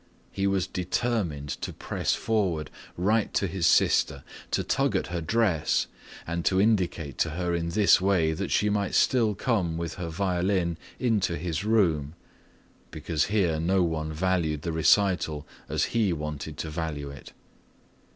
He was determined to press forward right to his sister, to tug at her dress, and to indicate to her in this way that she might still come with her violin into his room, because here no one valued the recital as he wanted to value it.